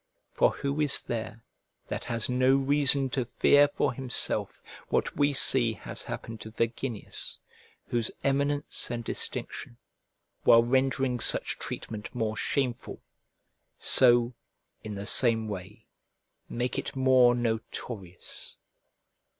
For who is there that has no reason to fear for himself what we see has happened to Verginius, whose eminence and distinction, while rendering such treatment more shameful, so, in the same way, make it more notorious?